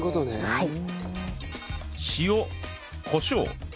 はい。